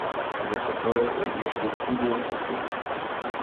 The mercatores were usually plebeians or freedmen.